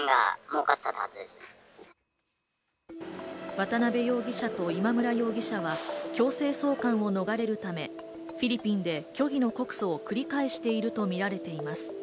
渡辺容疑者と今村容疑者は強制送還を逃れるため、フィリピンで虚偽の告訴を繰り返しているとみられています。